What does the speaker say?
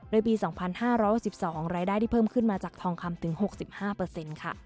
โดยปีสองพันห้าร้อยสิบสองของรายได้ที่เพิ่มขึ้นมาจากทองคำถึงหกสิบห้าเปอร์เซ็นต์ค่ะ